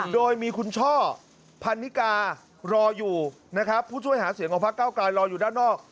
โดยมีคุณช่อพันนิการออยู่นะครับผู้ช่วยหาเสียงของพักเก้าไกลรออยู่ด้านนอก